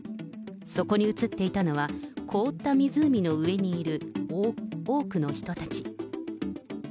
そこに映っていたのは、凍った湖の上にいる多くの人たち。